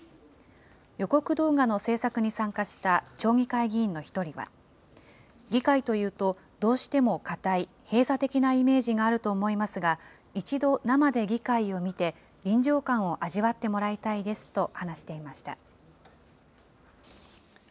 予告動画の制作に参加した町議会議員の１人は議会というと、どうしても堅い、閉鎖的なイメージがあると思いますが、一度、生で議会を見て、臨場感を味わってもらいたいですと話していました。